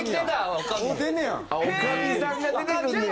おかみさんが出てくんねや。